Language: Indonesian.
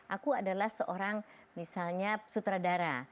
aku adalah seorang misalnya sutradara